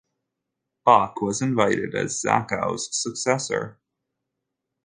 Bach was invited as Zachow's successor.